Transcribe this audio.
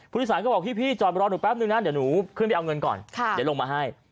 ผู้โดยสารก็บอกพี่จอดรอหนูแป๊บนึงนะเดี๋ยวหนูขึ้นไปเอาเงินก่อนเดี๋ยวลงมาให้